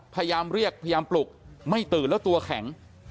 พยายามเรียกพยายามปลุกไม่ตื่นแล้วตัวแข็ง